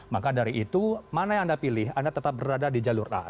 maka dari itu mana yang anda pilih anda tetap berada di jalur a